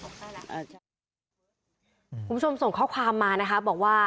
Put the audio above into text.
คุณผู้ชมส่งข้อความมานะคะบอกว่า